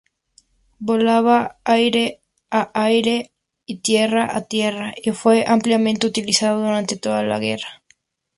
Volaba aire-a-aire y aire-a-tierra y fue ampliamente utilizado durante toda la guerra.